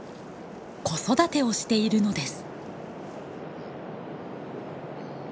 子育てをしているのです。